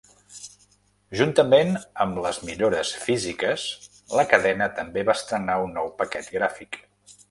Juntament amb les millores físiques, la cadena també va estrenar un nou paquet gràfic.